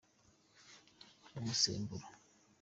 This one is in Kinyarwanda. umusemburo.